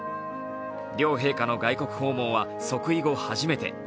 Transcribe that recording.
両陛下の外国訪問は即位後初めて。